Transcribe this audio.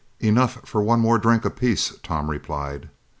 "Enough for one more drink apiece," Tom replied.